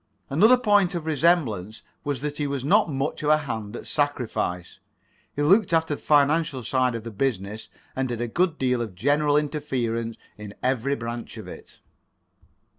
Another point of resemblance was that he was not much of a hand at a sacrifice. He looked after the [Pg 12]financial side of the business, and did a good deal of general interference in every branch of it.